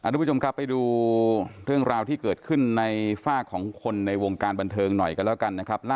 ทุกผู้ชมครับไปดูเรื่องราวที่เกิดขึ้นในฝากของคนในวงการบันเทิงหน่อยกันแล้วกันนะครับ